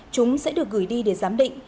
chúng sẽ được gửi đi để giám định